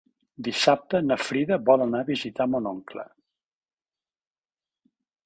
Dissabte na Frida vol anar a visitar mon oncle.